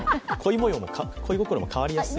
恋心も変わりやすい。